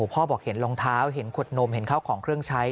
พ่อบอกเห็นรองเท้าเห็นขวดนมเห็นข้าวของเครื่องใช้